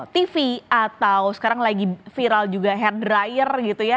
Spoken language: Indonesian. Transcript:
tv atau sekarang lagi viral juga head dryer gitu ya